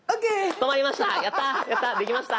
止まりました。